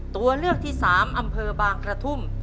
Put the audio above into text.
ตัวเลือกที่สามอำเภอบางที่